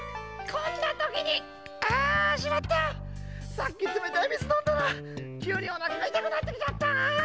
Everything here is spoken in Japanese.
さっきつめたいみずのんだらきゅうにおなかがいたくなってきちゃったな！